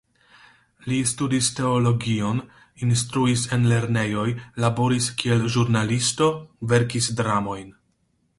Li studis teologion, instruis en lernejoj, laboris kiel ĵurnalisto, verkis dramojn.